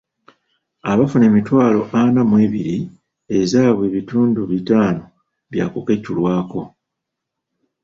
Abafuna emitwalo ana mu ebiri, ezaabwe ebitundu bitaano byakukeculwako.